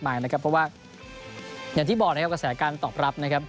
เพราะว่าอย่างที่บอกกระแสการตอบรับ